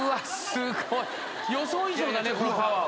すごい。予想以上だねこのパワーは。